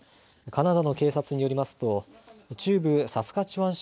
カナダの警察によりますと中部サスカチワン